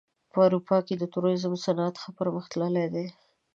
په اروپا کې د توریزم صنعت ښه پرمختللی دی.